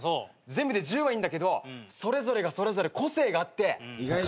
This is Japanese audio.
全部で１０羽いるんだけどそれぞれがそれぞれ個性があって。